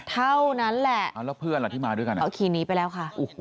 เท่านั้นแหละเอาแล้วเพื่อนล่ะที่มาด้วยกันเอาขี่หนีไปแล้วค่ะ